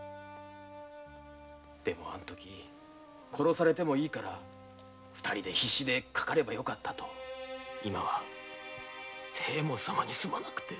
でもあの時殺されてもいいから２人で必死でかかればよかったと今は清右衛門様にすまなくて。